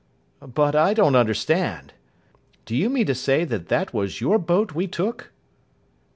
"But I don't understand. Do you mean to say that that was your boat we took?"